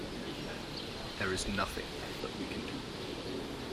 There is nothing that we can do.